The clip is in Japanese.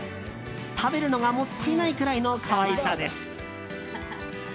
食べるのがもったいないくらいの可愛さです。